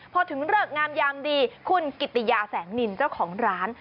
พอถึงเลิกงามยามดีคุณกิติยาแสงนินเจ้าของร้าน